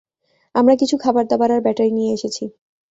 আমরা কিছু খাবার-দাবার আর ব্যাটারি নিয়ে এসেছি।